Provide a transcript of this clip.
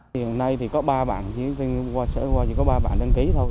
hiện nay thì có ba bạn chỉ có ba bạn đăng ký thôi